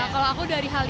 kalau aku dari halim